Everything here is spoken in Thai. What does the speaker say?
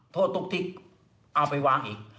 โทษตุ๊กติ๊กเอาไปวางอีก